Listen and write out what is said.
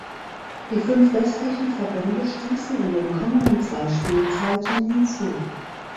Die fünf restlichen Verbände stießen in den kommenden zwei Spielzeiten hinzu.